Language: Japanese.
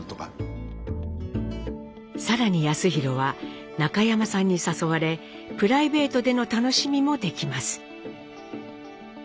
更に康宏は中山さんに誘われプライベートでの楽しみもできます。